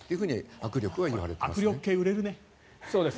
握力計売れるね。